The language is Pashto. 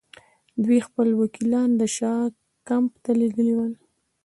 دوی خپل وکیلان د شاه کمپ ته لېږلي ول.